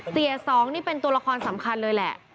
เสียสองนี่เป็นตัวละครสำคัญเลยแหละ